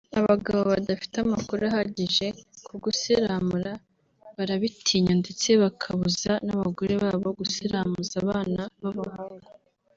Abagabo badafite amakuru ahagije ku gusiramura barabitinya ndetse bakabuza n’abagore babo gusiramuza abana b’abahungu